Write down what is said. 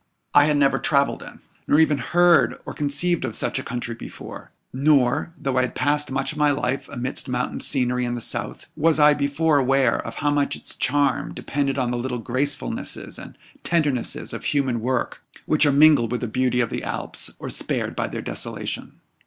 I had never travelled in, nor even heard or conceived of such a country before; nor, though I had passed much of my life amidst mountain scenery in the south, was I before aware how much of its charm depended on the little gracefulnesses and tendernesses of human work, which are mingled with the beauty of the Alps, or spared by their desolation.